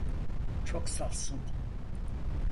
Çok safsın.